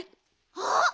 あっ！